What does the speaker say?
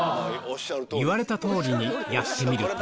言われた通りにやってみると